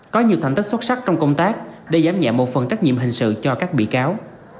có nhiều thành tích xuất sắc trong công tác để giám nhẹ một phần trách nhiệm hình sự cho các bị cáo